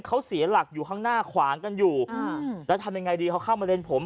เขาเสียหลักอยู่ข้างหน้าขวางกันอยู่แล้วทำยังไงดีเขาเข้ามาเลนผม